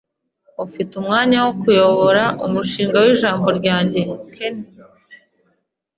Ufite umwanya wo kuyobora umushinga w'ijambo ryanjye, Ken?